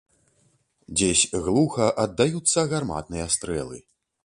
Дзесь глуха аддаюцца гарматныя стрэлы.